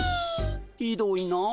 ひどいな。